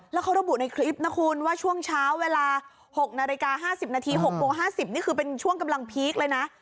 แล้วเขาระบุในคลิปนะคุณว่าช่วงเช้าเวลา๖นาฬิกา๕๐นาที๖โมง๕๐นี่คือเป็นช่วงกำลังพีคเลยนะ